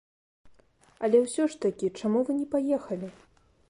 Але ўсё ж такі, чаму вы не паехалі?